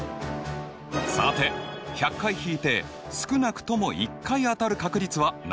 さて１００回引いて少なくとも１回当たる確率は何％かな？